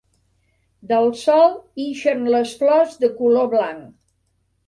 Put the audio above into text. Del sòl ixen les flors de color blanc.